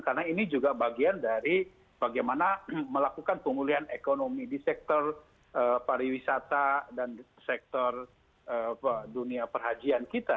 karena ini juga bagian dari bagaimana melakukan pemulihan ekonomi di sektor pariwisata dan sektor dunia perhajian kita